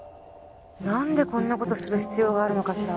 なんでこんなことする必要があるのかしら